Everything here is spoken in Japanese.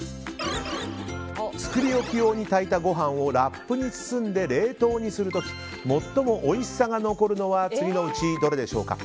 作り置き用に炊いたご飯をラップに包んで冷凍にする時最もおいしさが残るのは次のうちどれでしょうか。